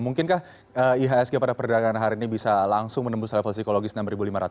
mungkinkah ihsg pada perdagangan hari ini bisa langsung menembus level psikologis enam lima ratus